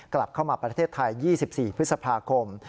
กลับเข้ามาประเทศไทย๒๔พฤษภาคม